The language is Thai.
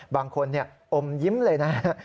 บางคนอมยิ้มเลยนะครับ